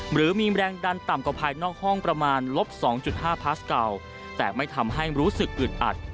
หรือมีแรงดันต่ำกว่าภายนอกห้องประมาณลบ๒๕พาสเก่าแต่ไม่ทำให้รู้สึกอึดอัด